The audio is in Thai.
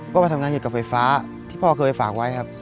ก็มาทำงานเกี่ยวกับไฟฟ้าที่พ่อเคยฝากไว้ครับ